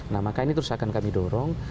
nah maka ini terus akan kami dorong